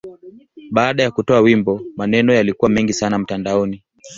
Baada ya kutoa wimbo, maneno yalikuwa mengi sana mtandaoni.